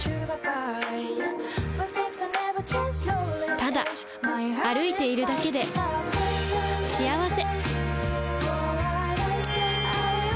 ただ歩いているだけで幸せ